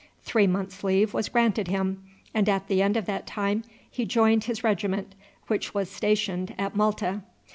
Three months' leave was granted him, and at the end of that time he joined his regiment, which was stationed at Malta.